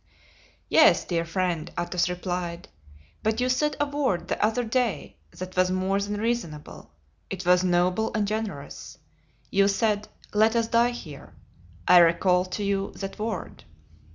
"Yes, dear friend," Athos replied, "but you said a word the other day that was more than reasonable—it was noble and generous. You said, 'Let us die here!' I recall to you that word."